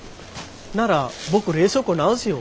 なら僕冷蔵庫直すよ。